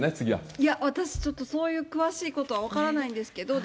いや、私ちょっとそういう詳しいことは分からないんですけど、で